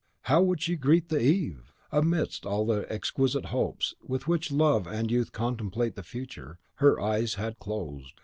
HOW WOULD SHE GREET THE EVE? Amidst all the exquisite hopes with which love and youth contemplate the future, her eyes had closed.